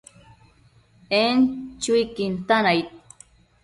En chuiquin tan aid